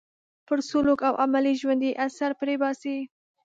پر سلوک او عملي ژوند یې اثر پرې باسي.